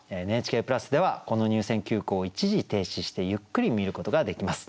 ＮＨＫプラスではこの入選九句を一時停止してゆっくり見ることができます。